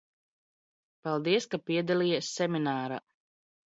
Paldies, ka piedalījies seminārā.